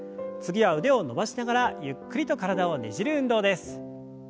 次は腕を伸ばしながらゆっくりと体をねじる運動です。